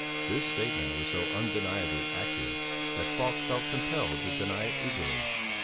This statement was so undeniably accurate that Falk felt compelled to deny it eagerly.